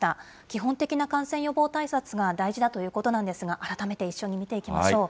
基本的な感染予防対策が大事だということなんですが、改めて一緒に見ていきましょう。